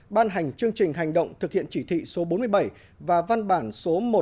ban hành chương trình hành động thực hiện chỉ thị số bốn mươi bảy và văn bản số một trăm năm mươi tám